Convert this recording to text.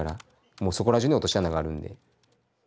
もうそこら中に落とし穴があるんで。